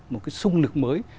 một cái sung lực mới